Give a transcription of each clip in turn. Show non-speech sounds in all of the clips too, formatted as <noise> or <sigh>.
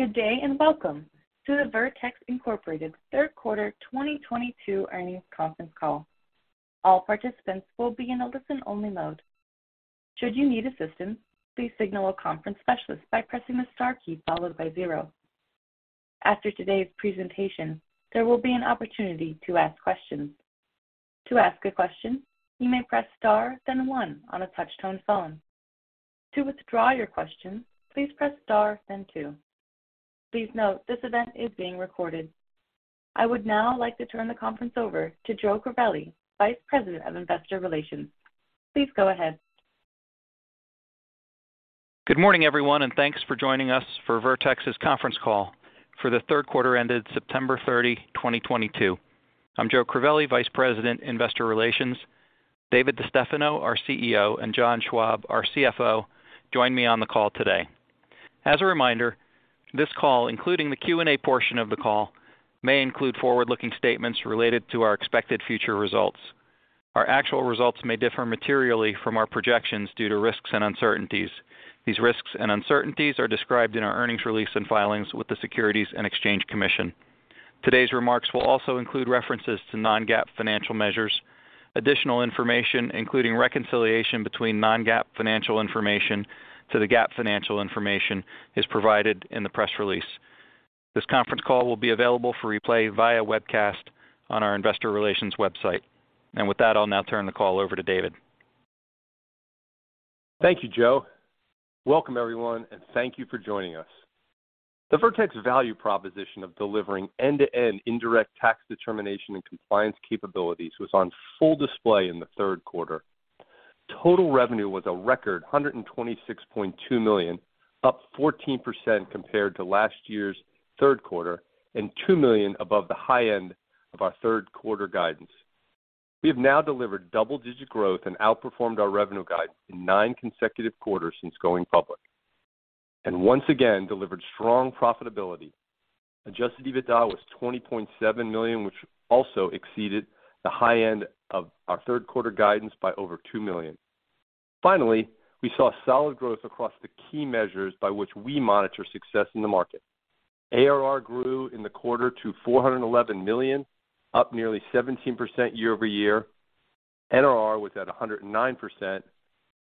Good day, and welcome to the Vertex, Inc. third quarter 2022 earnings conference call. All participants will be in a listen-only mode. Should you need assistance, please signal a conference specialist by pressing the star key followed by 0. After today's presentation, there will be an opportunity to ask questions. To ask a question, you may press star, then one on a touch-tone phone. To withdraw your question, please press star, then two. Please note, this event is being recorded. I would now like to turn the conference over to Joe Crivelli, Vice President of Investor Relations. Please go ahead. Good morning, everyone, and thanks for joining us for Vertex's conference call for the third quarter ended September 30, 2022. I'm Joe Crivelli, Vice President, Investor Relations. David DeStefano, our CEO, and John Schwab, our CFO, join me on the call today. As a reminder, this call, including the Q&A portion of the call, may include forward-looking statements related to our expected future results. Our actual results may differ materially from our projections due to risks and uncertainties. These risks and uncertainties are described in our earnings release and filings with the Securities and Exchange Commission. Today's remarks will also include references to non-GAAP financial measures. Additional information, including reconciliation between non-GAAP financial information to the GAAP financial information is provided in the press release. This conference call will be available for replay via webcast on our investor relations website. With that, I'll now turn the call over to David. Thank you, Joe. Welcome, everyone, and thank you for joining us. The Vertex value proposition of delivering end-to-end indirect tax determination and compliance capabilities was on full display in the third quarter. Total revenue was a record $126.2 million, up 14% compared to last year's third quarter and $2 million above the high end of our third quarter guidance. We have now delivered double-digit growth and outperformed our revenue guide in nine consecutive quarters since going public. Once again, delivered strong profitability. Adjusted EBITDA was $20.7 million, which also exceeded the high end of our third quarter guidance by over $2 million. Finally, we saw solid growth across the key measures by which we monitor success in the market. ARR grew in the quarter to $411 million, up nearly 17% year-over-year. NRR was at 109%,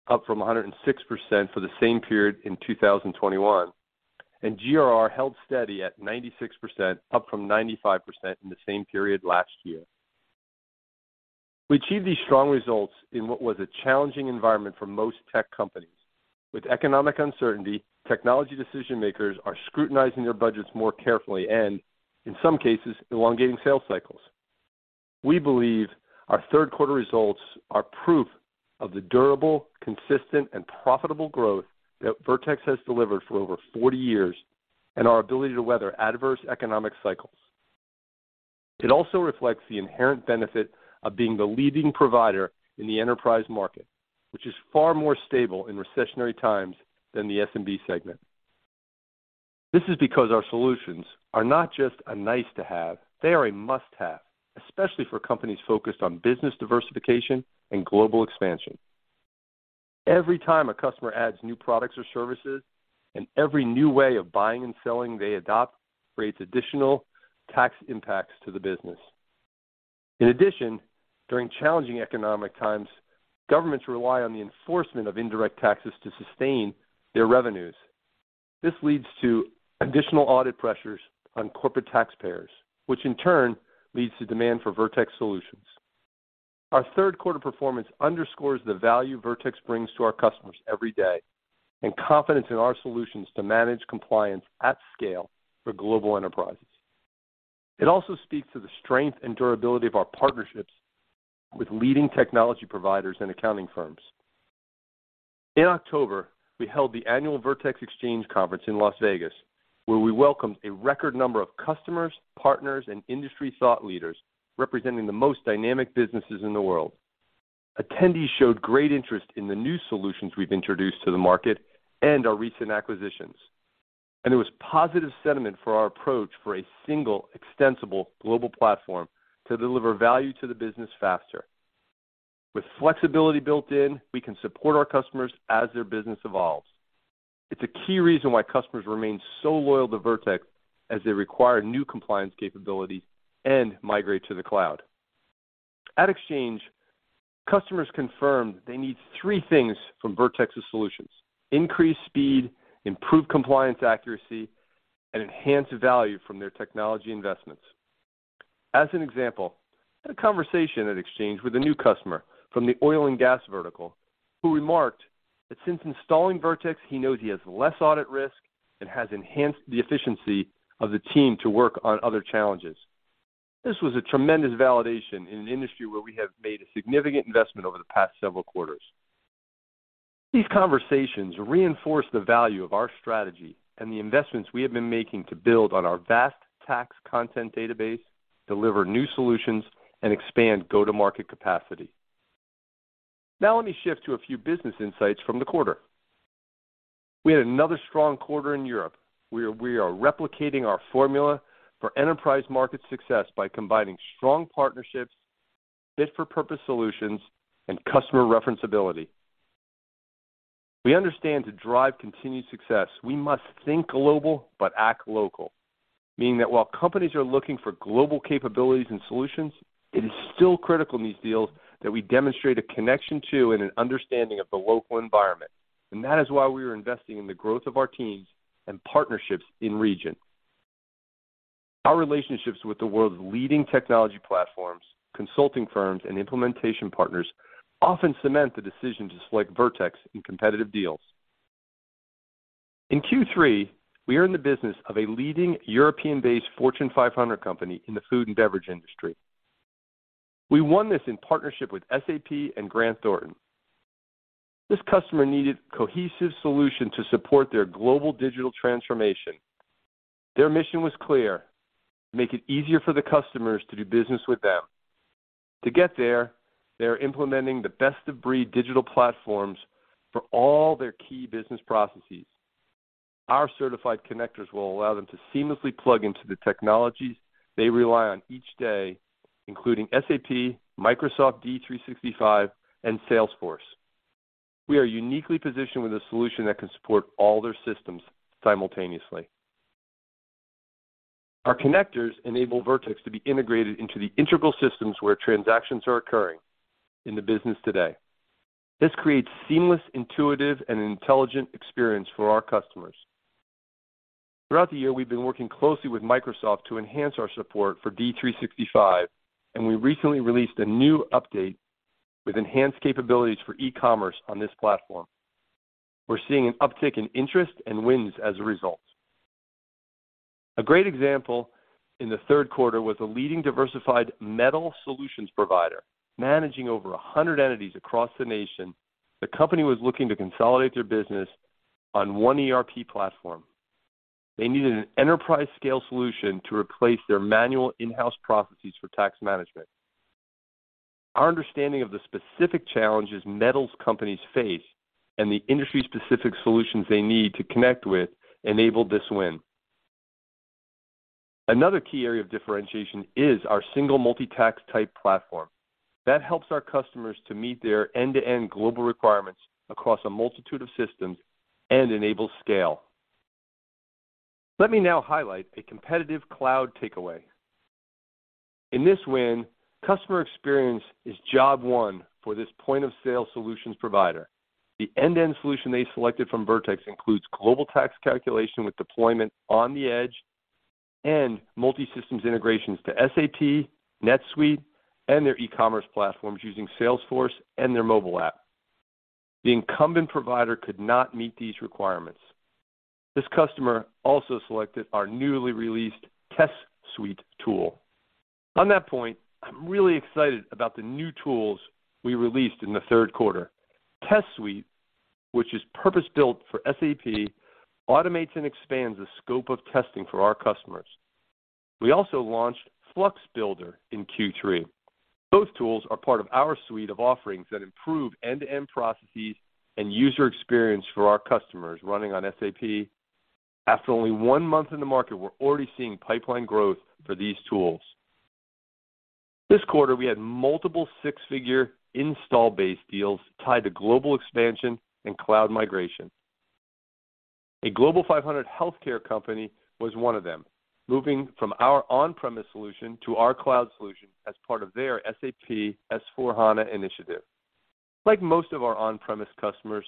up from 106% for the same period in 2021. GRR held steady at 96%, up from 95% in the same period last year. We achieved these strong results in what was a challenging environment for most tech companies. With economic uncertainty, technology decision-makers are scrutinizing their budgets more carefully, and in some cases, elongating sales cycles. We believe our third quarter results are proof of the durable, consistent, and profitable growth that Vertex has delivered for over 40 years and our ability to weather adverse economic cycles. It also reflects the inherent benefit of being the leading provider in the enterprise market, which is far more stable in recessionary times than the SMB segment. This is because our solutions are not just a nice-to-have, they are a must-have, especially for companies focused on business diversification and global expansion. Every time a customer adds new products or services, and every new way of buying and selling they adopt creates additional tax impacts to the business. In addition, during challenging economic times, governments rely on the enforcement of indirect taxes to sustain their revenues. This leads to additional audit pressures on corporate taxpayers, which in turn leads to demand for Vertex Solutions. Our third quarter performance underscores the value Vertex brings to our customers every day and confidence in our solutions to manage compliance at scale for global enterprises. It also speaks to the strength and durability of our partnerships with leading technology providers and accounting firms. In October, we held the annual Vertex Exchange Conference in Las Vegas, where we welcomed a record number of customers, partners, and industry thought leaders representing the most dynamic businesses in the world. Attendees showed great interest in the new solutions we've introduced to the market and our recent acquisitions. There was positive sentiment for our approach for a single extensible global platform to deliver value to the business faster. With flexibility built in, we can support our customers as their business evolves. It's a key reason why customers remain so loyal to Vertex as they require new compliance capability and migrate to the cloud. At Exchange, customers confirmed they need three things from Vertex's Solutions. Increased speed, improved compliance accuracy, and enhanced value from their technology investments. As an example, I had a conversation at Exchange with a new customer from the oil and gas vertical who remarked that since installing Vertex, he knows he has less audit risk and has enhanced the efficiency of the team to work on other challenges. This was a tremendous validation in an industry where we have made a significant investment over the past several quarters. These conversations reinforce the value of our strategy and the investments we have been making to build on our vast tax content database, deliver new solutions, and expand go-to-market capacity. Now let me shift to a few business insights from the quarter. We had another strong quarter in Europe, where we are replicating our formula for enterprise market success by combining strong partnerships, fit-for-purpose solutions, and customer reference ability. We understand that to drive continued success, we must think global but act local. Meaning that while companies are looking for global capabilities and solutions, it is still critical in these deals that we demonstrate a connection to and an understanding of the local environment. That is why we are investing in the growth of our teams and partnerships in region. Our relationships with the world's leading technology platforms, consulting firms, and implementation partners often cement the decision to select Vertex in competitive deals. In Q3, we won the business of a leading European-based Fortune 500 company in the food and beverage industry. We won this in partnership with SAP and Grant Thornton. This customer needed cohesive solution to support their global digital transformation. Their mission was clear, make it easier for the customers to do business with them. To get there, they're implementing the best of breed digital platforms for all their key business processes. Our certified connectors will allow them to seamlessly plug into the technologies they rely on each day, including SAP, Microsoft [Dynamics] 365, and Salesforce. We are uniquely positioned with a solution that can support all their systems simultaneously. Our connectors enable Vertex to be integrated into the integral systems where transactions are occurring in the business today. This creates seamless, intuitive, and intelligent experience for our customers. Throughout the year, we've been working closely with Microsoft to enhance our support for [Dynamics] 365, and we recently released a new update with enhanced capabilities for e-commerce on this platform. We're seeing an uptick in interest and wins as a result. A great example in the third quarter was a leading diversified metal solutions provider managing over 100 entities across the nation. The company was looking to consolidate their business on one ERP platform. They needed an enterprise-scale solution to replace their manual in-house processes for tax management. Our understanding of the specific challenges metals companies face and the industry-specific solutions they need to connect with enabled this win. Another key area of differentiation is our single multi-tax type platform that helps our customers to meet their end-to-end global requirements across a multitude of systems and enable scale. Let me now highlight a competitive cloud takeaway. In this win, customer experience is job one for this point of sale solutions provider. The end-to-end solution they selected from Vertex includes global tax calculation with deployment on the edge and multi-systems integrations to SAP, NetSuite, and their e-commerce platforms using Salesforce and their mobile app. The incumbent provider could not meet these requirements. This customer also selected our newly released TestSuite tool. On that point, I'm really excited about the new tools we released in the third quarter. TestSuite, which is purpose-built for SAP, automates and expands the scope of testing for our customers. We also launched FLUX Builder in Q3. Both tools are part of our suite of offerings that improve end-to-end processes and user experience for our customers running on SAP. After only one month in the market, we're already seeing pipeline growth for these tools. This quarter, we had multiple six-figure install-based deals tied to global expansion and cloud migration. A global Fortune 500 healthcare company was one of them, moving from our on-premise solution to our cloud solution as part of their SAP S/4HANA initiative. Like most of our on-premise customers,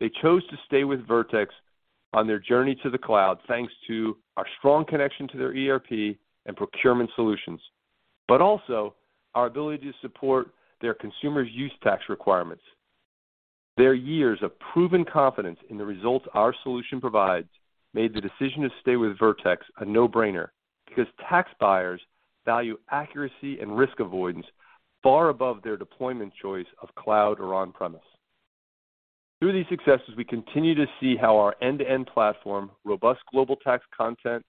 they chose to stay with Vertex on their journey to the cloud, thanks to our strong connection to their ERP and procurement solutions, but also our ability to support their consumer's use tax requirements. Their years of proven confidence in the results our solution provides made the decision to stay with Vertex a no-brainer because tax buyers value accuracy and risk avoidance far above their deployment choice of cloud or on-premise. Through these successes, we continue to see how our end-to-end platform, robust global tax content,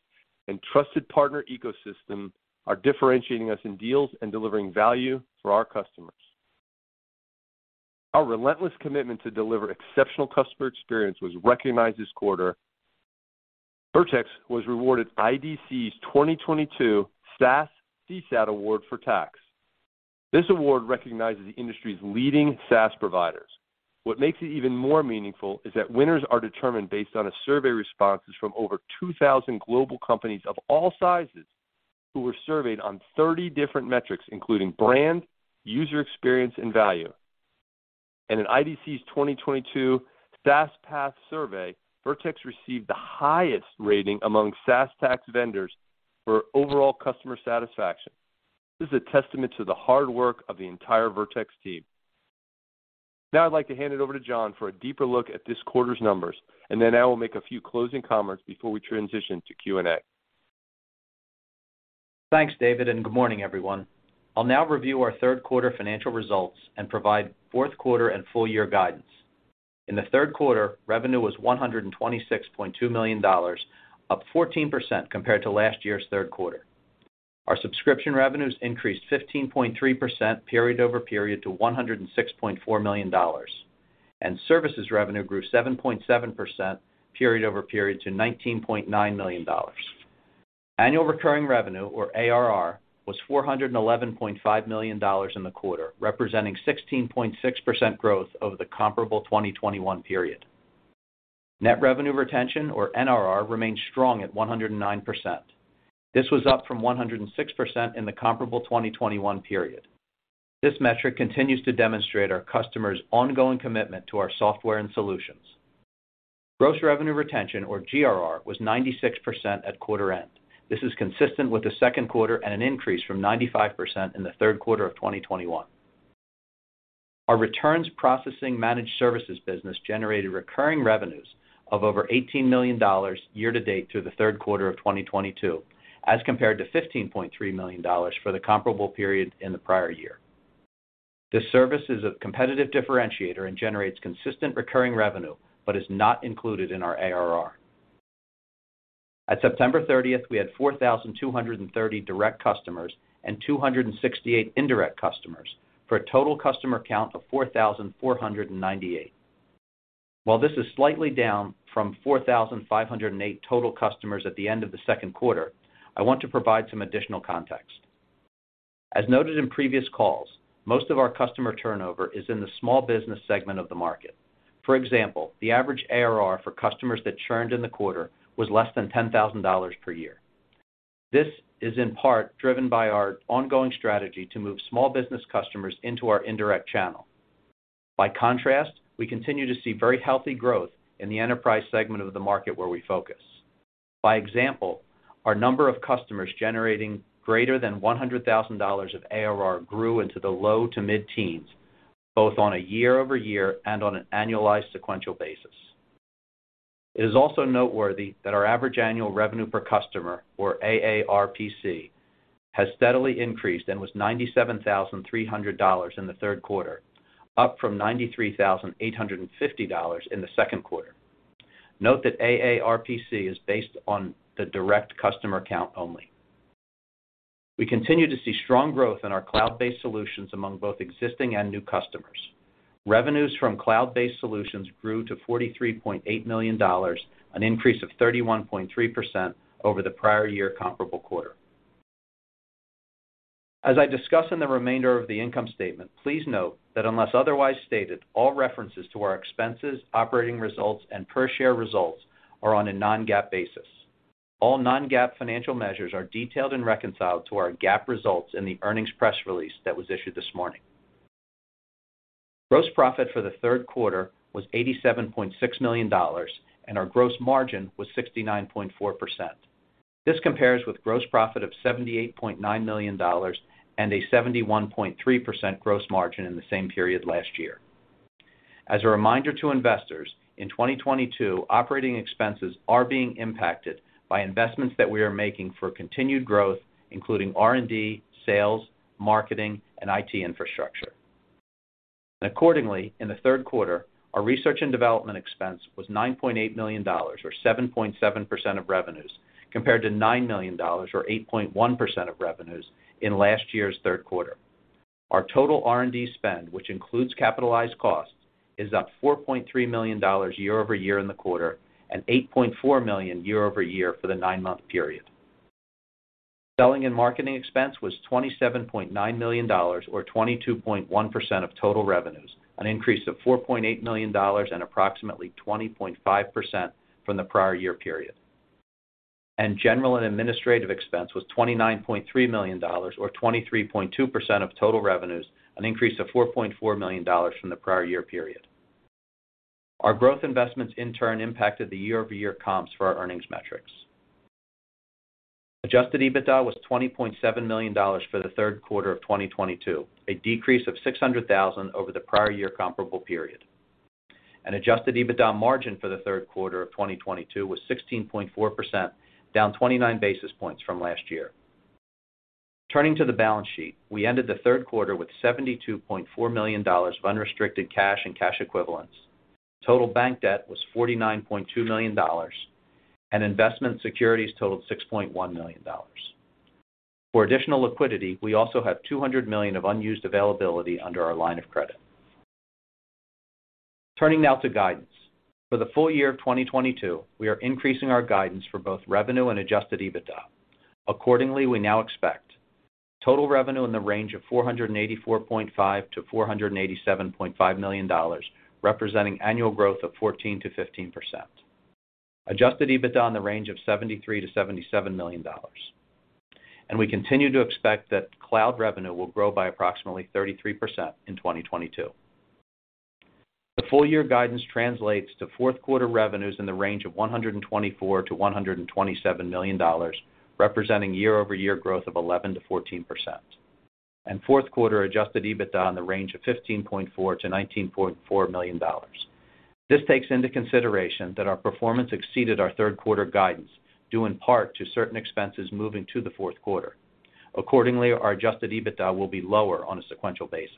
and trusted partner ecosystem are differentiating us in deals and delivering value for our customers. Our relentless commitment to deliver exceptional customer experience was recognized this quarter. Vertex was rewarded IDC's 2022 SaaS CSAT Award for tax. This award recognizes the industry's leading SaaS providers. What makes it even more meaningful is that winners are determined based on survey responses from over 2,000 global companies of all sizes who were surveyed on 30 different metrics, including brand, user experience, and value. In IDC's 2022 SaaS Path Survey, Vertex received the highest rating among SaaS tax vendors for overall customer satisfaction. This is a testament to the hard work of the entire Vertex team. Now I'd like to hand it over to John for a deeper look at this quarter's numbers, and then I will make a few closing comments before we transition to Q&A. Thanks, David, and good morning, everyone. I'll now review our third quarter financial results and provide fourth quarter and full year guidance. In the third quarter, revenue was $126.2 million, up 14% compared to last year's third quarter. Our subscription revenues increased 15.3% period-over-period to $106.4 million. Services revenue grew 7.7% period-over-period to $19.9 million. Annual recurring revenue or ARR was $411.5 million in the quarter, representing 16.6% growth over the comparable 2021 period. Net revenue retention or NRR remains strong at 109%. This was up from 106% in the comparable 2021 period. This metric continues to demonstrate our customers' ongoing commitment to our software and solutions. Gross revenue retention or GRR was 96% at quarter end. This is consistent with the second quarter and an increase from 95% in the third quarter of 2021. Our returns processing managed services business generated recurring revenues of over $18 million year-to-date through the third quarter of 2022, as compared to $15.3 million for the comparable period in the prior year. This service is a competitive differentiator and generates consistent recurring revenue, but is not included in our ARR. At September 30th, we had 4,230 direct customers and 268 indirect customers for a total customer count of 4,498. While this is slightly down from 4,508 total customers at the end of the second quarter, I want to provide some additional context. As noted in previous calls, most of our customer turnover is in the small business segment of the market. For example, the average ARR for customers that churned in the quarter was less than $10,000 per year. This is in part driven by our ongoing strategy to move small business customers into our indirect channel. By contrast, we continue to see very healthy growth in the enterprise segment of the market where we focus. By example, our number of customers generating greater than $100,000 of ARR grew into the low to mid-teens, both on a year-over-year and on an annualized sequential basis. It is also noteworthy that our average annual revenue per customer or AARPC has steadily increased and was $97,300 in the third quarter, up from $93,850 in the second quarter. Note that AARPC is based on the direct customer count only. We continue to see strong growth in our cloud-based solutions among both existing and new customers. Revenues from cloud-based solutions grew to $43.8 million, an increase of 31.3% over the prior year comparable quarter. As I discuss in the remainder of the income statement, please note that unless otherwise stated, all references to our expenses, operating results, and per share results are on a non-GAAP basis. All non-GAAP financial measures are detailed and reconciled to our GAAP results in the earnings press release that was issued this morning. Gross profit for the third quarter was $87.6 million, and our gross margin was 69.4%. This compares with gross profit of $78.9 million and a 71.3% gross margin in the same period last year. As a reminder to investors, in 2022, operating expenses are being impacted by investments that we are making for continued growth, including R&D, sales, marketing, and IT infrastructure. Accordingly, in the third quarter, our research and development expense was $9.8 million or 7.7% of revenues, compared to $9 million or 8.1% of revenues in last year's third quarter. Our total R&D spend, which includes capitalized costs, is up $4.3 million year-over-year in the quarter and $8.4 million year-over-year for the nine-month period. Selling and marketing expense was $27.9 million or 22.1% of total revenues, an increase of $4.8 million and approximately 20.5% from the prior year period. General and administrative expense was $29.3 million or 23.2% of total revenues, an increase of $4.4 million from the prior year period. Our growth investments in turn impacted the year-over-year comps for our earnings metrics. Adjusted EBITDA was $20.7 million for the third quarter of 2022, a decrease of $600,000 over the prior year comparable period. Adjusted EBITDA margin for the third quarter of 2022 was 16.4%, down 29 basis points from last year. Turning to the balance sheet, we ended the third quarter with $72.4 million of unrestricted cash and cash equivalents. Total bank debt was $49.2 million and investment securities totaled $6.1 million. For additional liquidity, we also have $200 million of unused availability under our line of credit. Turning now to guidance. For the full year of 2022, we are increasing our guidance for both revenue and Adjusted EBITDA. Accordingly, we now expect total revenue in the range of $484.5 million-$487.5 million, representing annual growth of 14%-15%. Adjusted EBITDA in the range of $73 million-$77 million. We continue to expect that cloud revenue will grow by approximately 33% in 2022. The full year guidance translates to fourth quarter revenues in the range of $124 million-$127 million, representing year-over-year growth of 11%-14%. Fourth quarter Adjusted EBITDA in the range of $15.4 million-$19.4 million. This takes into consideration that our performance exceeded our third quarter guidance, due in part to certain expenses moving to the fourth quarter. Accordingly, our Adjusted EBITDA will be lower on a sequential basis.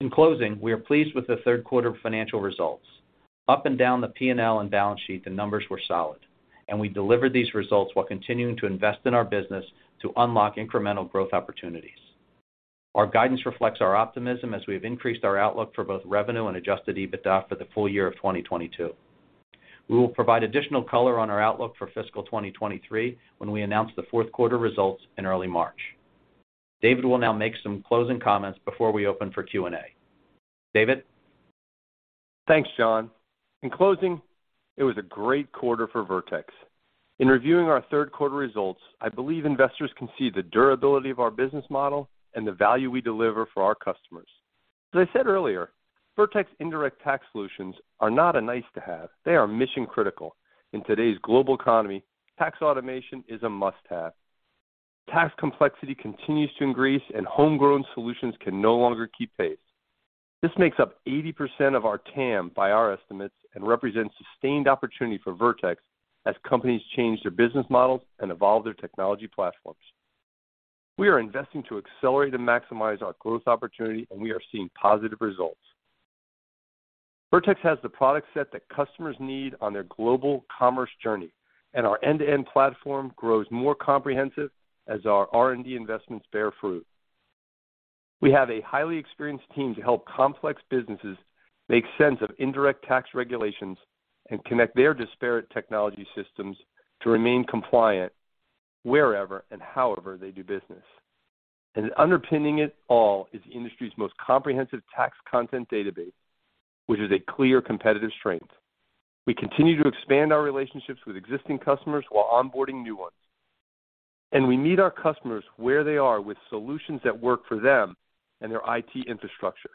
In closing, we are pleased with the third quarter financial results. Up and down the P&L and balance sheet, the numbers were solid, and we delivered these results while continuing to invest in our business to unlock incremental growth opportunities. Our guidance reflects our optimism as we have increased our outlook for both revenue and Adjusted EBITDA for the full year of 2022. We will provide additional color on our outlook for fiscal 2023 when we announce the fourth quarter results in early March. David will now make some closing comments before we open for Q&A. David? Thanks, John. In closing, it was a great quarter for Vertex. In reviewing our third quarter results, I believe investors can see the durability of our business model and the value we deliver for our customers. As I said earlier, Vertex indirect tax solutions are not a nice to have. They are mission-critical. In today's global economy, tax automation is a must-have. Tax complexity continues to increase, and homegrown solutions can no longer keep pace. This makes up 80% of our TAM by our estimates and represents sustained opportunity for Vertex as companies change their business models and evolve their technology platforms. We are investing to accelerate and maximize our growth opportunity, and we are seeing positive results. Vertex has the product set that customers need on their global commerce journey, and our end-to-end platform grows more comprehensive as our R&D investments bear fruit. We have a highly experienced team to help complex businesses make sense of indirect tax regulations and connect their disparate technology systems to remain compliant wherever and however they do business. Underpinning it all is the industry's most comprehensive tax content database, which is a clear competitive strength. We continue to expand our relationships with existing customers while onboarding new ones. We meet our customers where they are with solutions that work for them and their IT infrastructure.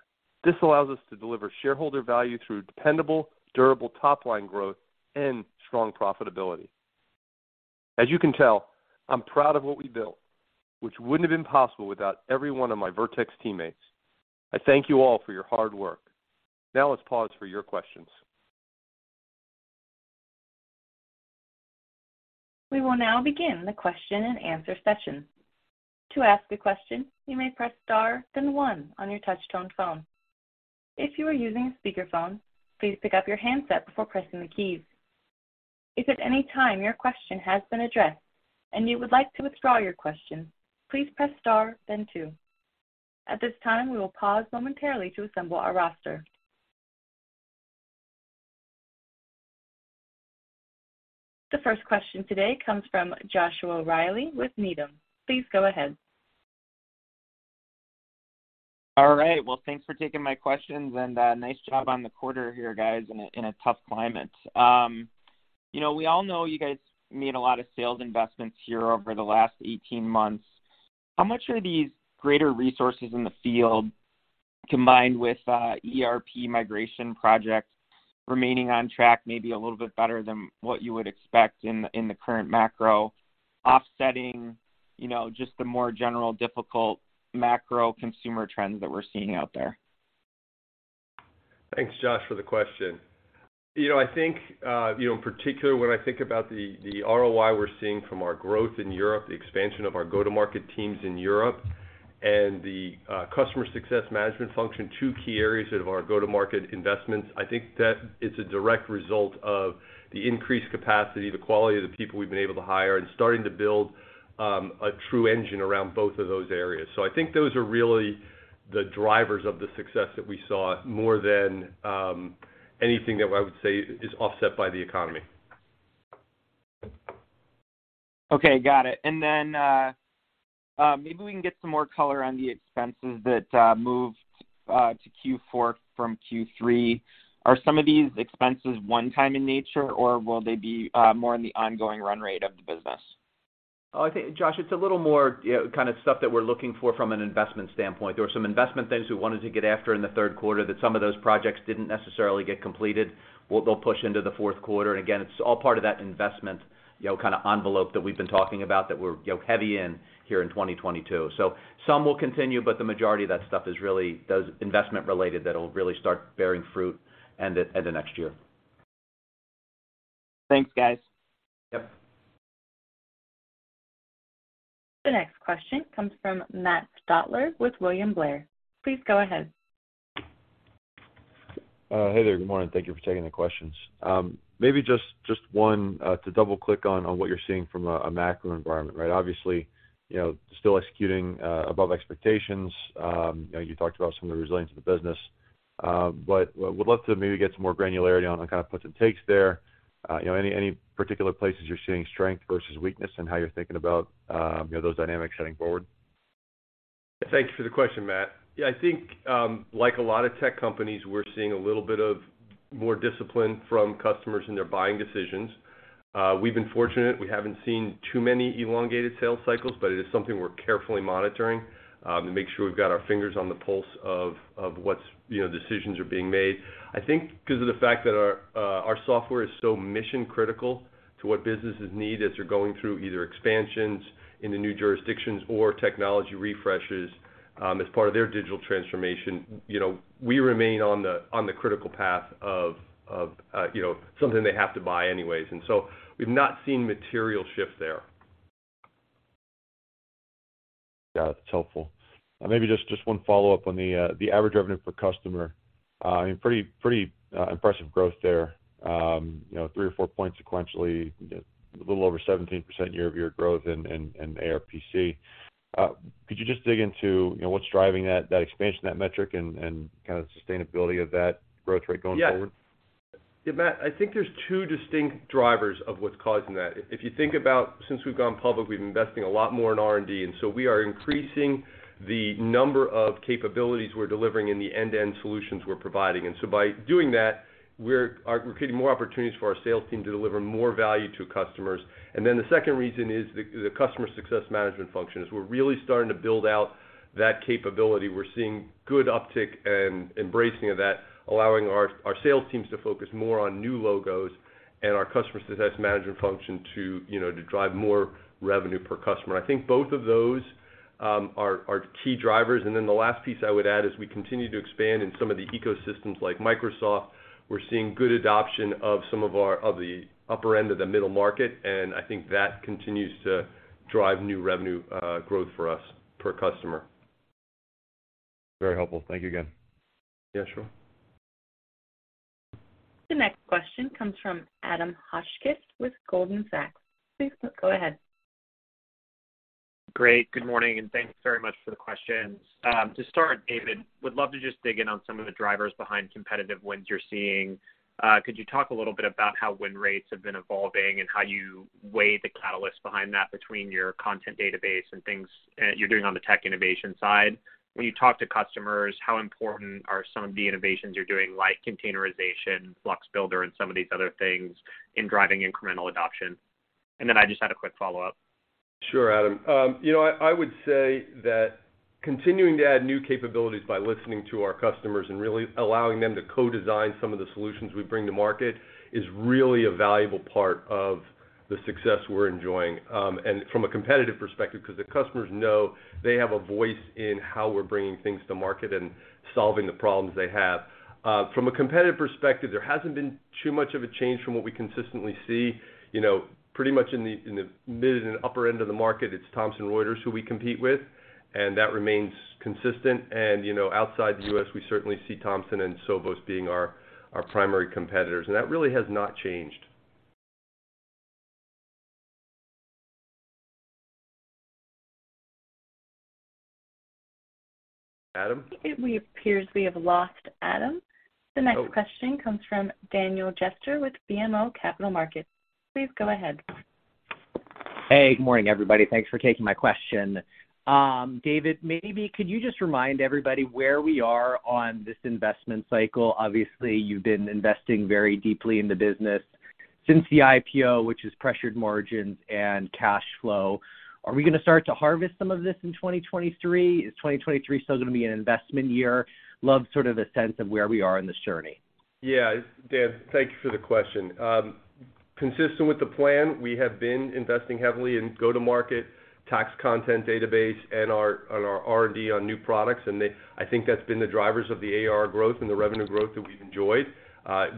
This allows us to deliver shareholder value through dependable, durable top-line growth and strong profitability. As you can tell, I'm proud of what we built, which wouldn't have been possible without every one of my Vertex teammates. I thank you all for your hard work. Now let's pause for your questions. We will now begin the question-and-answer session. To ask a question, you may press star, then one on your touch tone phone. If you are using a speakerphone, please pick up your handset before pressing the keys. If at any time your question has been addressed and you would like to withdraw your question, please press star then two. At this time, we will pause momentarily to assemble our roster. The first question today comes from Joshua Reilly with Needham. Please go ahead. All right. Well, thanks for taking my questions, and nice job on the quarter here, guys, in a tough climate. You know, we all know you guys made a lot of sales investments here over the last 18 months. How much are these greater resources in the field combined with ERP migration projects remaining on track maybe a little bit better than what you would expect in the current macro offsetting, you know, just the more general difficult macro consumer trends that we're seeing out there? Thanks, Josh, for the question. You know, I think, in particular, when I think about the ROI we're seeing from our growth in Europe, the expansion of our go-to-market teams in Europe, and the customer success management function, two key areas of our go-to-market investments, I think that it's a direct result of the increased capacity, the quality of the people we've been able to hire, and starting to build a true engine around both of those areas. I think those are really the drivers of the success that we saw more than anything that I would say is offset by the economy. Okay. Got it. And then, maybe we can get some more color on the expenses that moved to Q4 from Q3. Are some of these expenses one time in nature, or will they be more in the ongoing run rate of the business? I think, Josh, it's a little more, you know, stuff that we're looking for from an investment standpoint. There were some investment things we wanted to get after in the third quarter that some of those projects didn't necessarily get completed. They'll push into the fourth quarter. Again, it's all part of that investment, you know, envelope that we've been talking about that we're, you know, heavy in here in 2022. Some will continue, but the majority of that stuff is really investment related that'll really start bearing fruit end of next year. Thanks, guys. Yep. The next question comes from Matt Stotler with William Blair. Please go ahead. Hey there. Good morning. Thank you for taking the questions. Maybe just one to double-click on what you're seeing from a macro environment, right? Obviously, you know, still executing above expectations. You know, you talked about some of the resilience of the business. Would love to maybe get some more granularity on kind of puts and takes there. You know, any particular places you're seeing strength versus weakness and how you're thinking about you know, those dynamics heading forward? Thanks for the question, Matt. Yeah, I think, like a lot of tech companies, we're seeing a little bit of more discipline from customers in their buying decisions. We've been fortunate. We haven't seen too many elongated sales cycles, but it is something we're carefully monitoring, to make sure we've got our fingers on the pulse of what's, you know, decisions are being made. I think because of the fact that our software is so mission-critical to what businesses need as they're going through either expansions in the new jurisdictions or technology refreshes, as part of their digital transformation, you know, we remain on the critical path of you know, something they have to buy anyways. We've not seen material shift there. Yeah. That's helpful. Maybe just one follow-up on the average revenue per customer. I mean, pretty impressive growth there. You know, three or four points sequentially, a little over 17% year-over-year growth in ARPC. Could you just dig into, you know, what's driving that expansion, that metric and kind of sustainability of that growth rate going forward? Yeah. Yeah, Matt, I think there's two distinct drivers of what's causing that. If you think about since we've gone public, we've been investing a lot more in R&D, and so we are increasing the number of capabilities we're delivering in the end-to-end solutions we're providing. By doing that, we're creating more opportunities for our sales team to deliver more value to customers. The second reason is the customer success management function, is we're really starting to build out that capability. We're seeing good uptick and embracing of that, allowing our sales teams to focus more on new logos and our customer success management function to, you know, to drive more revenue per customer. I think both of those are key drivers. The last piece I would add is we continue to expand in some of the ecosystems like Microsoft. We're seeing good adoption of the upper end of the middle market, and I think that continues to drive new revenue growth for us per customer. Very helpful. Thank you again. Yeah, sure. The next question comes from Adam Hotchkiss with Goldman Sachs. Please go ahead. Great, good morning, and thanks very much for the questions. To start, David, would love to just dig in on some of the drivers behind competitive wins you're seeing. Could you talk a little bit about how win rates have been evolving and how you weigh the catalyst behind that between your content database and things you're doing on the tech innovation side? When you talk to customers, how important are some of the innovations you're doing like containerization, FLUX Builder, and some of these other things in driving incremental adoption? I just had a quick follow-up. Sure, Adam. You know, I would say that continuing to add new capabilities by listening to our customers and really allowing them to co-design some of the solutions we bring to market is really a valuable part of the success we're enjoying, and from a competitive perspective, because the customers know they have a voice in how we're bringing things to market and solving the problems they have. From a competitive perspective, there hasn't been too much of a change from what we consistently see. You know, pretty much in the mid and upper end of the market, it's Thomson Reuters who we compete with, and that remains consistent. You know, outside the U.S., we certainly see Thomson and Sovos being our primary competitors, and that really has not changed. Adam? It appears we have lost Adam. Oh. The next question comes from Daniel Jester with BMO Capital Markets. Please go ahead. Hey, good morning, everybody. Thanks for taking my question. David, maybe could you just remind everybody where we are on this investment cycle? Obviously, you've been investing very deeply in the business since the IPO, which has pressured margins and cash flow. Are we gonna start to harvest some of this in 2023? Is 2023 still gonna be an investment year? Love sort of a sense of where we are in this journey. Yeah. Dan, thank you for the question. Consistent with the plan, we have been investing heavily in go-to-market, tax content database and our R&D on new products. I think that's been the drivers of the ARR growth and the revenue growth that we've enjoyed.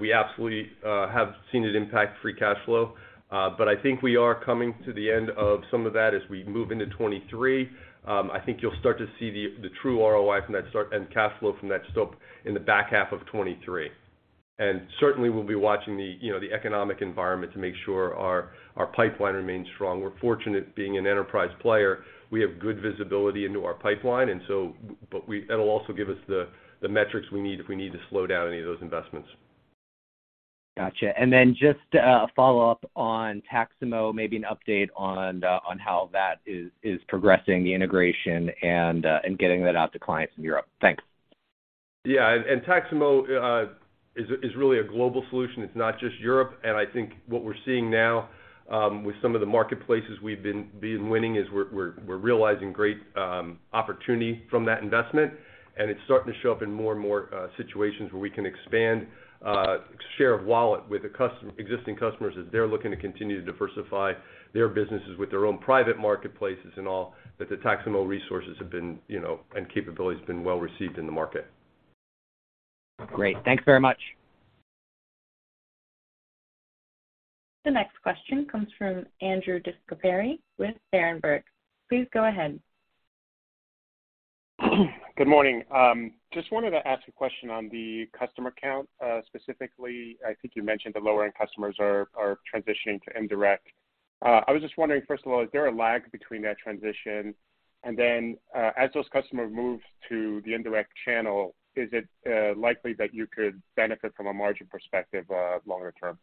We absolutely have seen it impact free cash flow. But I think we are coming to the end of some of that as we move into 2023. I think you'll start to see the true ROI from that spend and cash flow from that slope in the back half of 2023. Certainly we'll be watching the economic environment to make sure our pipeline remains strong. We're fortunate being an enterprise player, we have good visibility into our pipeline and so, but we, it'll also give us the metrics we need if we need to slow down any of those investments. Gotcha. Just a follow-up on Taxamo, maybe an update on how that is progressing, the integration and getting that out to clients in Europe. Thanks. Yeah. Taxamo is really a global solution. It's not just Europe. I think what we're seeing now with some of the marketplaces we've been winning is we're realizing great opportunity from that investment. It's starting to show up in more and more situations where we can expand share of wallet with existing customers as they're looking to continue to diversify their businesses with their own private marketplaces and all that the Taxamo resources have been, you know, and capabilities been well received in the market. Great. Thanks very much. The next question comes from Andrew DeGasperi with Berenberg. Please go ahead. Good morning. Just wanted to ask a question on the customer count. Specifically, I think you mentioned the lower-end customers are transitioning to indirect. I was just wondering, first of all, is there a lag between that transition? As those customers move to the indirect channel, is it likely that you could benefit from a margin perspective longer term?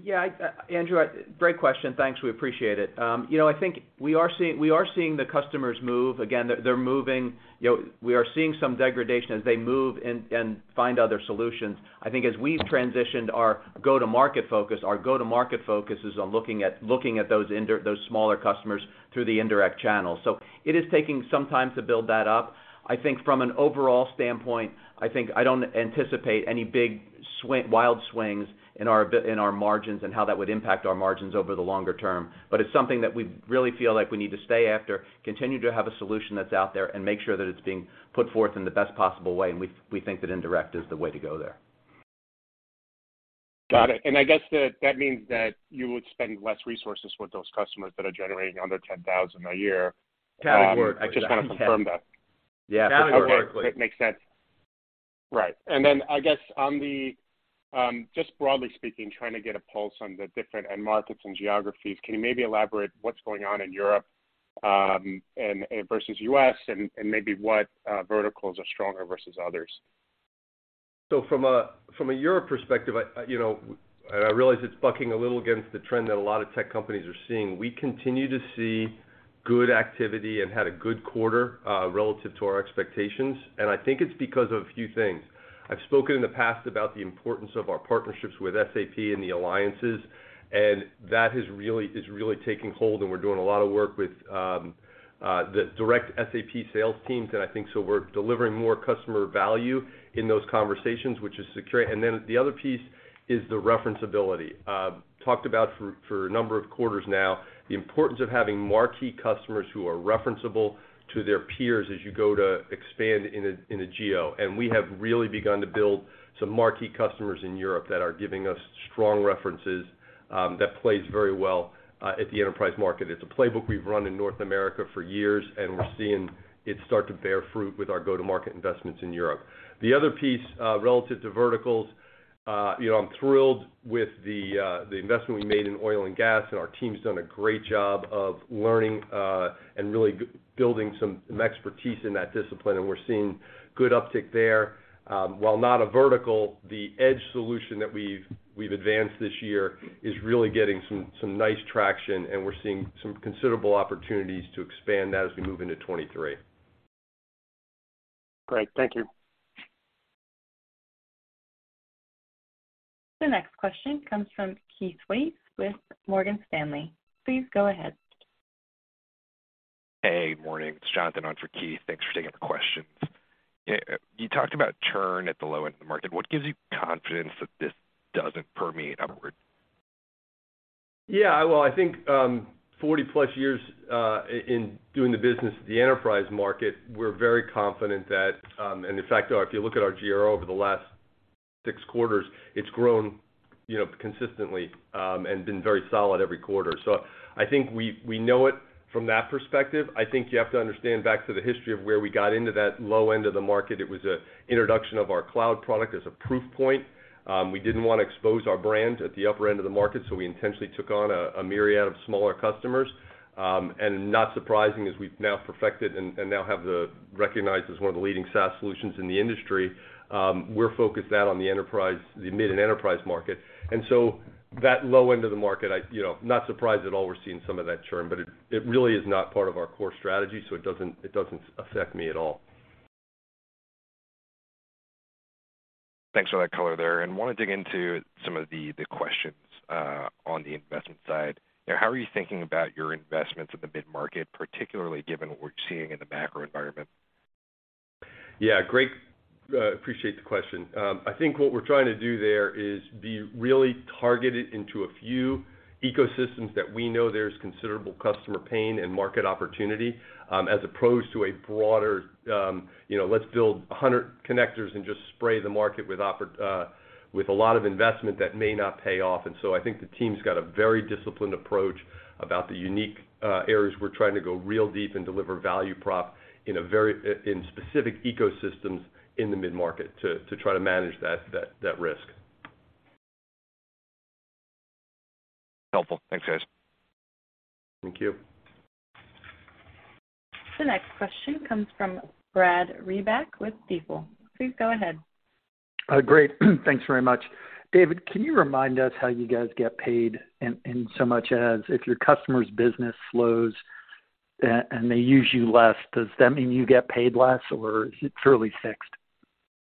Yeah, Andrew, great question. Thanks, we appreciate it. You know, I think we are seeing the customers move. Again, they're moving. You know, we are seeing some degradation as they move and find other solutions. I think as we've transitioned our go-to-market focus, our go-to-market focus is on looking at those smaller customers through the indirect channel. It is taking some time to build that up. I think from an overall standpoint, I think I don't anticipate any big wild swings in our margins and how that would impact our margins over the longer term, but it's something that we really feel like we need to stay after, continue to have a solution that's out there and make sure that it's being put forth in the best possible way, and we think that indirect is the way to go there. Got it. I guess that means that you would spend less resources with those customers that are generating under $10,000 a year. <crosstalk> I just wanna confirm that. <crosstalk> Okay. It makes sense. Right. Then I guess on the just broadly speaking, trying to get a pulse on the different end markets and geographies, can you maybe elaborate what's going on in Europe, and versus U.S. and maybe what verticals are stronger versus others? From a Europe perspective, you know, and I realize it's bucking a little against the trend that a lot of tech companies are seeing, we continue to see good activity and had a good quarter relative to our expectations, and I think it's because of a few things. I've spoken in the past about the importance of our partnerships with SAP and the alliances, and that is really taking hold, and we're doing a lot of work with the direct SAP sales teams, and I think so we're delivering more customer value in those conversations, which is secure. The other piece is the reference ability. Talked about for a number of quarters now, the importance of having marquee customers who are reference-able to their peers as you go to expand in a geo. We have really begun to build some marquee customers in Europe that are giving us strong references, that plays very well at the enterprise market. It's a playbook we've run in North America for years, and we're seeing it start to bear fruit with our go-to-market investments in Europe. The other piece relative to verticals, you know, I'm thrilled with the investment we made in oil and gas, and our team's done a great job of learning and really building some expertise in that discipline, and we're seeing good uptick there. While not a vertical, the edge solution that we've advanced this year is really getting some nice traction, and we're seeing some considerable opportunities to expand that as we move into 2023. Great. Thank you. The next question comes from Keith Weiss with Morgan Stanley. Please go ahead. Hey, morning. It's Jonathan on for Keith. Thanks for taking the questions. You talked about churn at the low end of the market. What gives you confidence that this doesn't permeate upward? Yeah. Well, I think 40+ years in doing the business at the enterprise market, we're very confident that and in fact, if you look at our GRR over the last six quarters, it's grown, you know, consistently and been very solid every quarter. I think we know it from that perspective. I think you have to understand back to the history of where we got into that low end of the market, it was a introduction of our cloud product as a proof point. We didn't wanna expose our brand at the upper end of the market, so we intentionally took on a myriad of smaller customers. Not surprising, as we've now perfected and now have recognized as one of the leading SaaS solutions in the industry, we're focused out on the enterprise, the mid and enterprise market. That low end of the market, I, you know, not surprised at all we're seeing some of that churn, but it really is not part of our core strategy, so it doesn't affect me at all. Thanks for that color there. Wanna dig into some of the questions on the investment side. You know, how are you thinking about your investments in the mid-market, particularly given what we're seeing in the macro environment? Yeah, great. Appreciate the question. I think what we're trying to do there is be really targeted into a few ecosystems that we know there's considerable customer pain and market opportunity, as opposed to a broader, you know, let's build 100 connectors and just spray the market with a lot of investment that may not pay off. I think the team's got a very disciplined approach about the unique areas we're trying to go real deep and deliver value prop in specific ecosystems in the mid-market to try to manage that risk. Helpful. Thanks, guys. Thank you. The next question comes from Brad Reback with Stifel. Please go ahead. Great. Thanks very much. David, can you remind us how you guys get paid in so much as if your customer's business slows and they use you less, does that mean you get paid less, or is it fairly fixed?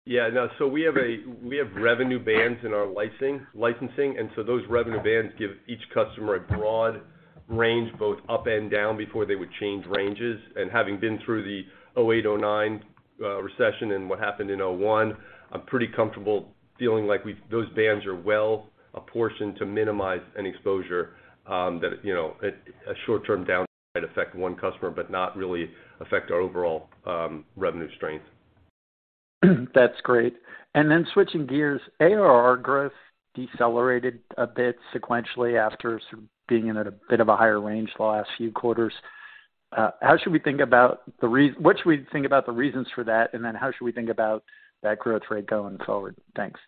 Yeah. No. We have revenue bands in our licensing, and so those revenue bands give each customer a broad range, both up and down, before they would change ranges. Having been through the 2008, 2009 recession and what happened in 2001, I'm pretty comfortable feeling like those bands are well apportioned to minimize any exposure, you know, a short-term downside effect one customer but not really affect our overall revenue strength. That's great. Switching gears, ARR growth decelerated a bit sequentially after sort of being in a bit of a higher range the last few quarters. What should we think about the reasons for that, and then how should we think about that growth rate going forward? Thanks.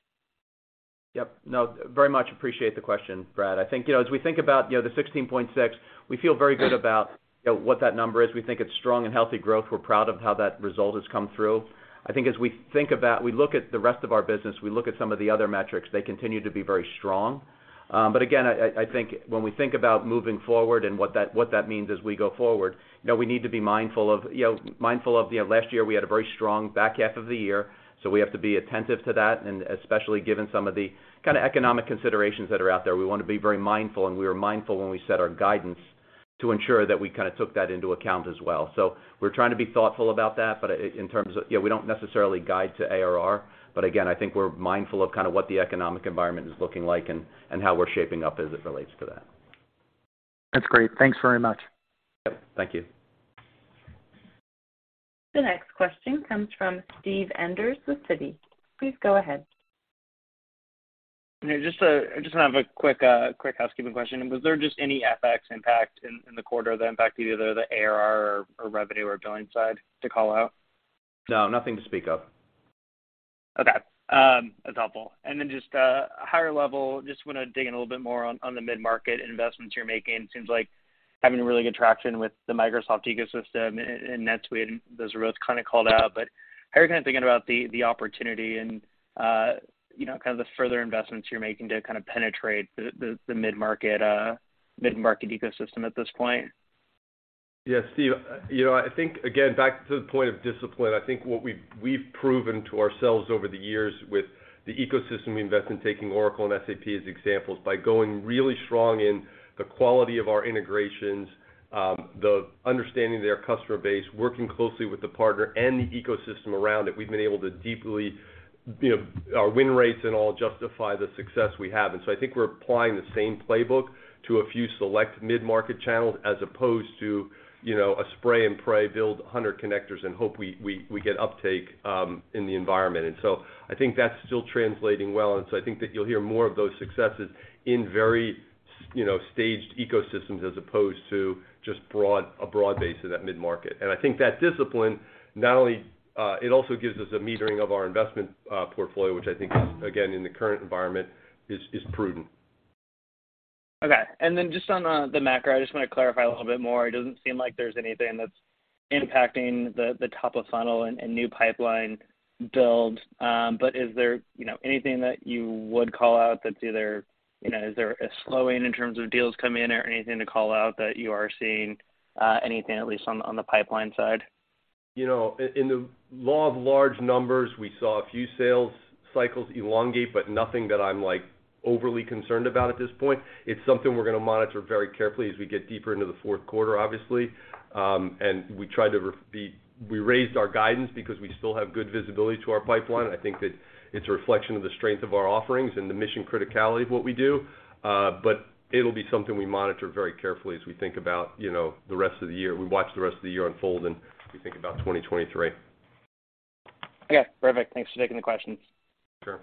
Yep. No, very much appreciate the question, Brad. I think, you know, as we think about, you know, the 16.6%, we feel very good about, you know, what that number is. We think it's strong and healthy growth. We're proud of how that result has come through. I think as we think about, we look at the rest of our business, we look at some of the other metrics, they continue to be very strong. But again, I think when we think about moving forward and what that means as we go forward, you know, we need to be mindful of, you know, last year, we had a very strong back half of the year, so we have to be attentive to that. Especially given some of the economic considerations that are out there, we wanna be very mindful, and we are mindful when we set our guidance to ensure that we took that into account as well. We're trying to be thoughtful about that, but in terms of you know, we don't necessarily guide to ARR, but again, I think we're mindful of what the economic environment is looking like and how we're shaping up as it relates to that. That's great. Thanks very much. Yep. Thank you. The next question comes from Steven Enders with Citi. Please go ahead. Just have a quick housekeeping question. Was there any FX impact in the quarter that impacted either the ARR or revenue or billing side to call out? No, nothing to speak of. Okay. That's helpful. Just higher level, just wanna dig in a little bit more on the mid-market investments you're making. Seems like having a really good traction with the Microsoft ecosystem and NetSuite and those are both called out. How are you thinking about the opportunity and you know, kind of the further investments you're making to kind of penetrate the mid-market ecosystem at this point? Yeah, Steve, you know, I think again, back to the point of discipline, I think what we've proven to ourselves over the years with the ecosystem we invest in, taking Oracle and SAP as examples, by going really strong in the quality of our integrations, the understanding of their customer base, working closely with the partner and the ecosystem around it, we've been able to deeply, you know, our win rates and all justify the success we have. I think we're applying the same playbook to a few select mid-market channels as opposed to, you know, a spray and pray build 100 connectors and hope we get uptake in the environment. I think that's still translating well. I think that you'll hear more of those successes in very, you know, staged ecosystems as opposed to just a broad base of that mid-market. I think that discipline not only it also gives us a metering of our investment portfolio, which I think is, again, in the current environment, is prudent. Okay. Just on the macro, I just wanna clarify a little bit more. It doesn't seem like there's anything that's impacting the top of funnel and new pipeline build. Is there, you know, anything that you would call out that's either, you know, is there a slowing in terms of deals coming in or anything to call out that you are seeing anything at least on the pipeline side? You know, in the law of large numbers, we saw a few sales cycles elongate, but nothing that I'm, like, overly concerned about at this point. It's something we're gonna monitor very carefully as we get deeper into the fourth quarter, obviously. We raised our guidance because we still have good visibility to our pipeline. I think that it's a reflection of the strength of our offerings and the mission criticality of what we do. It'll be something we monitor very carefully as we think about, you know, the rest of the year. We watch the rest of the year unfold, and we think about 2023. Okay, perfect. Thanks for taking the questions. Sure.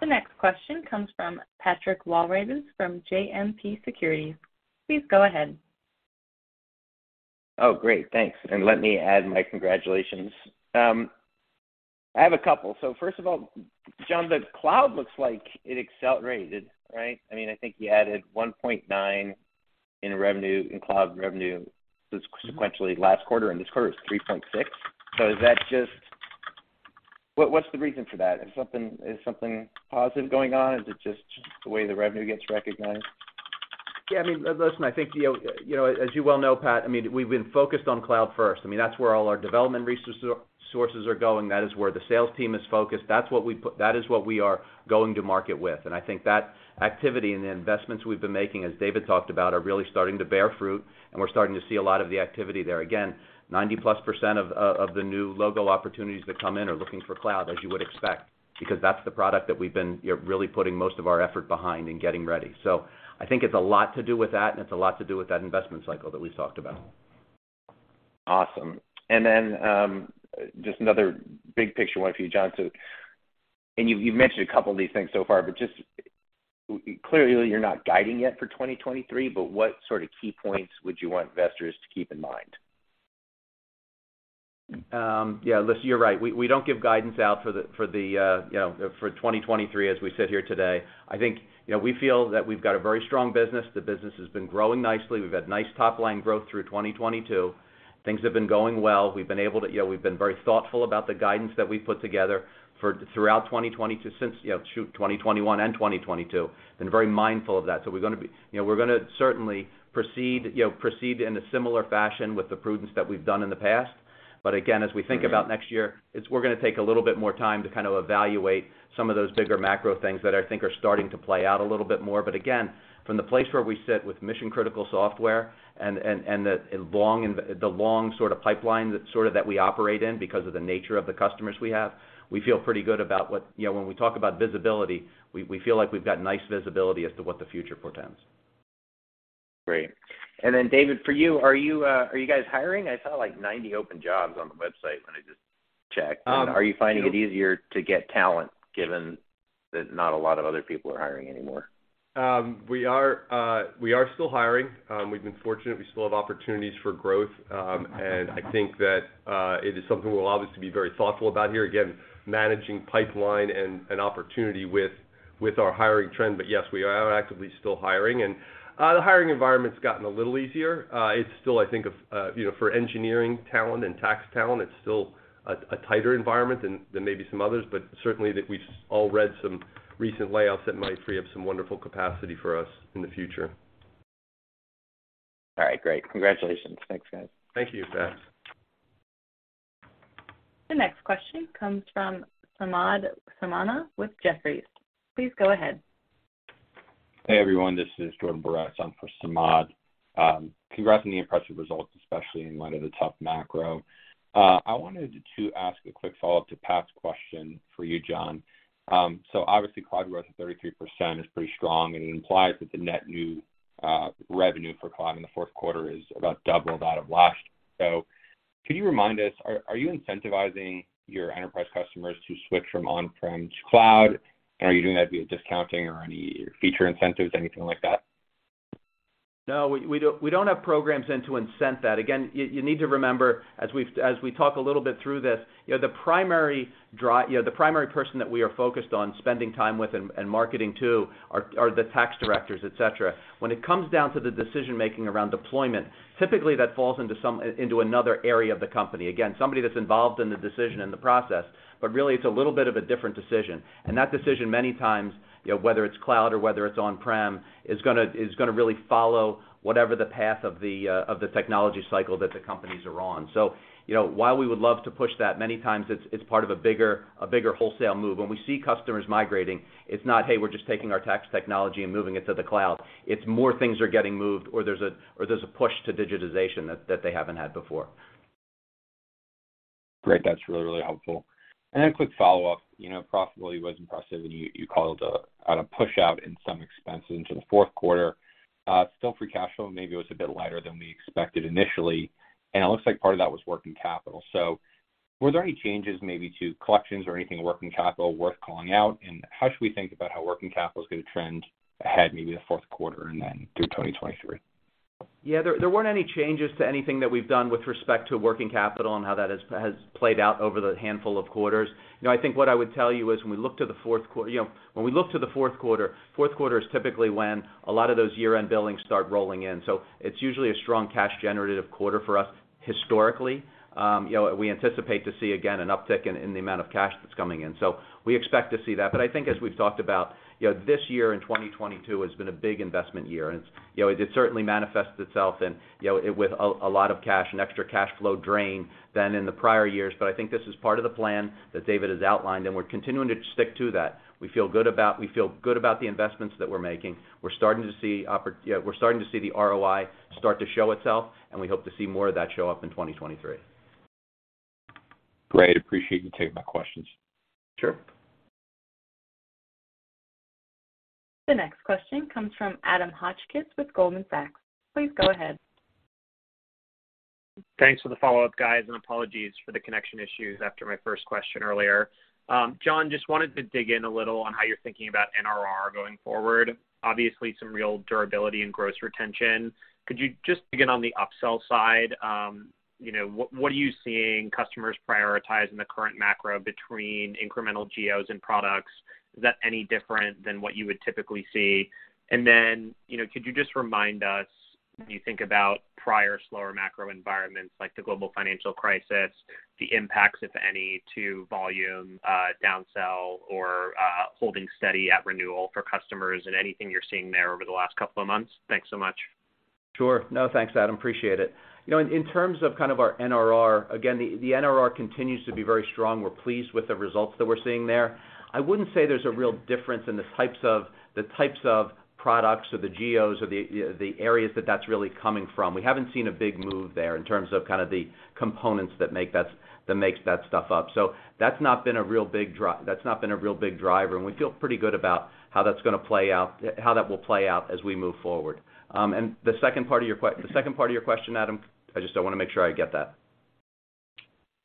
The next question comes from Patrick Walravens from JMP Securities. Please go ahead. Oh, great. Thanks. Let me add my congratulations. I have a couple. First of all, John, the cloud looks like it accelerated, right? I mean, I think you added $1.9 in revenue, in cloud revenue sequentially last quarter, and this quarter it's $3.6. Is that just what? What's the reason for that? Is something positive going on? Is it just the way the revenue gets recognized? Yeah, I mean, listen, I think, you know, as you well know, Pat, I mean, we've been focused on cloud first. I mean, that's where all our development resources are going. That is where the sales team is focused. That is what we are going to market with. I think that activity and the investments we've been making, as David talked about, are really starting to bear fruit, and we're starting to see a lot of the activity there. Again, 90%+ of the new logo opportunities that come in are looking for cloud, as you would expect, because that's the product that we've been, you know, really putting most of our effort behind in getting ready. I think it's a lot to do with that, and it's a lot to do with that investment cycle that we talked about. Awesome. Then, just another big picture one for you, John. You've mentioned a couple of these things so far, but just clearly you're not guiding yet for 2023, but what sort of key points would you want investors to keep in mind? Yeah, listen, you're right. We don't give guidance out for the you know, for 2023 as we sit here today. I think, you know, we feel that we've got a very strong business. The business has been growing nicely. We've had nice top-line growth through 2022. Things have been going well. We've been able to, you know, we've been very thoughtful about the guidance that we put together throughout 2022 since, you know, shoot, 2021 and 2022, been very mindful of that. You know, we're gonna certainly proceed in a similar fashion with the prudence that we've done in the past. Again, as we think about next year, it's we're gonna take a little bit more time to kind of evaluate some of those bigger macro things that I think are starting to play out a little bit more. Again, from the place where we sit with mission-critical software and the long sort of pipeline that we operate in because of the nature of the customers we have, we feel pretty good about what, you know, when we talk about visibility, we feel like we've got nice visibility as to what the future portends. Great. David, for you, are you guys hiring? I saw like 90 open jobs on the website when I just checked. You know. Are you finding it easier to get talent given that not a lot of other people are hiring anymore? We are still hiring. We've been fortunate. We still have opportunities for growth. I think that it is something we'll obviously be very thoughtful about here, again, managing pipeline and opportunity with our hiring trend. Yes, we are actively still hiring. The hiring environment's gotten a little easier. It's still, I think, you know, for engineering talent and tax talent, it's still a tighter environment than maybe some others. Certainly that we've all read some recent layoffs that might free up some wonderful capacity for us in the future. All right, great. Congratulations. Thanks, guys. Thank you, Pat. The next question comes from Samad Samad with Jefferies. Please go ahead. Hey, everyone. This is Jordan Boretz I'm for Samad. Congrats on the impressive results, especially in light of the tough macro. I wanted to ask a quick follow-up to Pat's question for you, John. Obviously cloud growth at 33% is pretty strong and implies that the net new revenue for cloud in the fourth quarter is about double that of last. Could you remind us, are you incentivizing your enterprise customers to switch from on-prem to cloud? Are you doing that via discounting or any feature incentives, anything like that? No. We don't have programs in to incent that. Again, you need to remember, as we talk a little bit through this, you know, the primary person that we are focused on spending time with and marketing to are the tax directors, et cetera. When it comes down to the decision-making around deployment, typically that falls into another area of the company, again, somebody that's involved in the decision and the process, but really it's a little bit of a different decision. That decision many times, you know, whether it's cloud or whether it's on-prem, is gonna really follow whatever the path of the technology cycle that the companies are on. You know, while we would love to push that, many times, it's part of a bigger wholesale move. When we see customers migrating, it's not, hey, we're just taking our tax technology and moving it to the cloud. It's more things are getting moved or there's a push to digitization that they haven't had before. Great. That's really helpful. A quick follow-up. You know, profitability was impressive, and you called out a push out in some expenses into the fourth quarter. Still free cash flow maybe was a bit lighter than we expected initially, and it looks like part of that was working capital. Were there any changes maybe to collections or anything working capital worth calling out? How should we think about how working capital is gonna trend ahead maybe the fourth quarter and then through 2023? Yeah. There weren't any changes to anything that we've done with respect to working capital and how that has played out over the handful of quarters. You know, I think what I would tell you is when we look to the fourth quarter, fourth quarter is typically when a lot of those year-end billings start rolling in. So it's usually a strong cash generative quarter for us historically. You know, we anticipate to see again an uptick in the amount of cash that's coming in. So we expect to see that. I think as we've talked about, you know, this year in 2022 has been a big investment year, and it's, you know, it certainly manifests itself in, you know, with a lot of cash and extra cash flow drain than in the prior years. I think this is part of the plan that David has outlined, and we're continuing to stick to that. We feel good about the investments that we're making. We're starting to see, you know, the ROI start to show itself, and we hope to see more of that show up in 2023. Great. Appreciate you taking my questions. Sure. The next question comes from Adam Hotchkiss with Goldman Sachs. Please go ahead. Thanks for the follow-up, guys, and apologies for the connection issues after my first question earlier. John, just wanted to dig in a little on how you're thinking about NRR going forward. Obviously, some real durability and gross retention. Could you just begin on the upsell side? You know, what are you seeing customers prioritize in the current macro between incremental geos and products? Is that any different than what you would typically see? And then, you know, could you just remind us, when you think about prior slower macro environments like the global financial crisis, the impacts, if any, to volume, downsell or holding steady at renewal for customers and anything you're seeing there over the last couple of months? Thanks so much. Sure. No, thanks, Adam. Appreciate it. You know, in terms of kind of our NRR, again, the NRR continues to be very strong. We're pleased with the results that we're seeing there. I wouldn't say there's a real difference in the types of products or the geos or the areas that that's really coming from. We haven't seen a big move there in terms of kind of the components that makes that stuff up. So that's not been a real big driver, and we feel pretty good about how that will play out as we move forward. The second part of your question, Adam? I just, I wanna make sure I get that.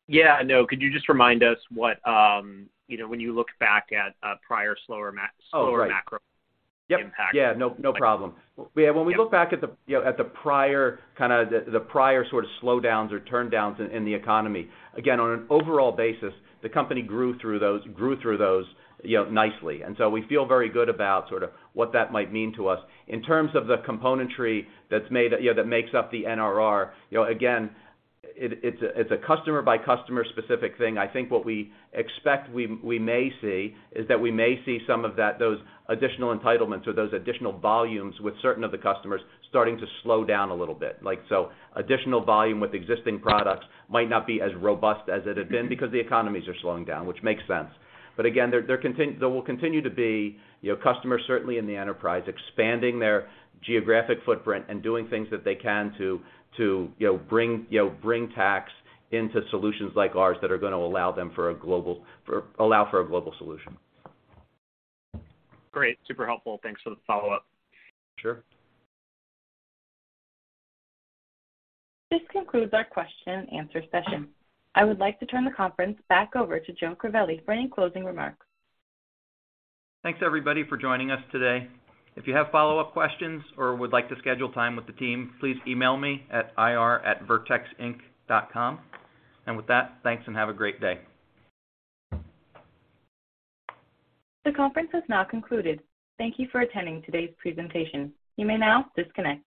Yeah, no. Could you just remind us what, you know, when you look back at, prior slower ma- Oh, right. Slower macro impact. Yeah, no problem. Yeah, when we look back at the prior sort of slowdowns or turndowns in the economy, again, on an overall basis, the company grew through those, you know, nicely. We feel very good about sort of what that might mean to us. In terms of the componentry that's made, you know, that makes up the NRR, you know, again, it's a customer by customer specific thing. I think what we expect, we may see is that we may see some of those additional entitlements or those additional volumes with certain of the customers starting to slow down a little bit. Like, so additional volume with existing products might not be as robust as it had been because the economies are slowing down, which makes sense. Again, there will continue to be, you know, customers certainly in the enterprise expanding their geographic footprint and doing things that they can to, you know, bring tax into solutions like ours that are gonna allow for a global solution. Great. Super helpful. Thanks for the follow-up. Sure. This concludes our question and answer session. I would like to turn the conference back over to Joe Crivelli for any closing remarks. Thanks, everybody, for joining us today. If you have follow-up questions or would like to schedule time with the team, please email me at investors@vertexinc.com. With that, thanks and have a great day. The conference has now concluded. Thank you for attending today's presentation. You may now disconnect.